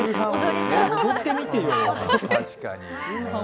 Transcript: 踊ってみてよ。